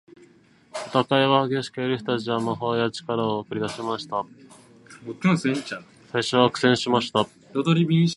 戦いは激しく、エルフたちは魔法や力を繰り出しました。最初は苦戦しましたが、エルフたちは団結し、愛と勇気で魔王に立ち向かいました。最後には、エルフの力が魔王を打ち負かし、森は再び美しく輝きました。